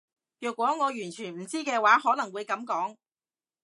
若果我完全唔知嘅話可能會噉講